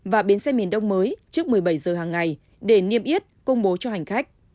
và bến xe miền đông mới trước một mươi bảy giờ hàng ngày để niêm yết công bố cho hành khách